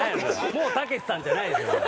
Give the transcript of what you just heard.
もうたけしさんじゃないんですよ。